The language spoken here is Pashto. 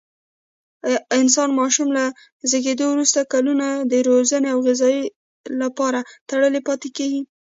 انسان ماشوم له زېږېدو وروسته کلونه د روزنې او غذا لپاره تړلی پاتې کېږي.